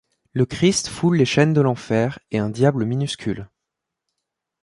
Le Christ foule les chaînes de l'enfer et un diable minuscule.